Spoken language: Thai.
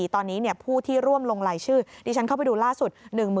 ตอนนี้ผู้ที่ร่วมลงรายชื่อดิฉันเข้าไปดูล่าสุด